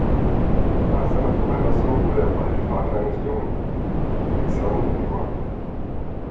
Nach seiner Freilassung wurde er bald Vater eines Jungen, Alexandre Dumas.